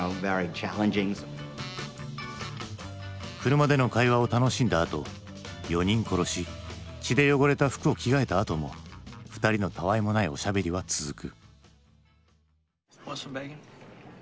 車での会話を楽しんだあと４人殺し血で汚れた服を着替えたあとも２人のたわいもないおしゃべりは続く。